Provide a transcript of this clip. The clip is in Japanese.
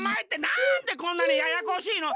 なんでこんなにややこしいの？